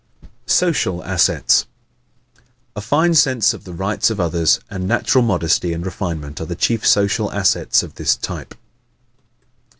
Social Assets ¶ A fine sense of the rights of others and natural modesty and refinement are the chief social assets of this type.